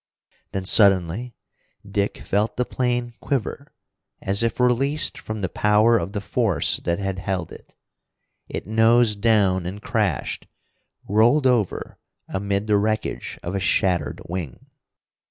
Then suddenly Dick felt the plane quiver, as if released from the power of the force that had held it. It nosed down and crashed, rolled over amid the wreckage of a shattered wing.